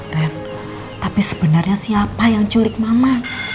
red tapi sebenarnya siapa yang culik mama